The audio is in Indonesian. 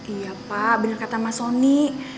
iya pak benar kata mas soni